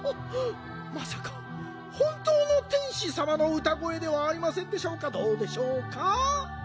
まさかほんとうの天使さまのうたごえではありませんでしょうかどうでしょうか？